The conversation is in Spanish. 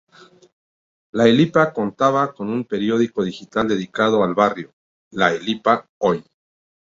La Elipa contaba con un periódico digital dedicado al barrio, La Elipa Hoy.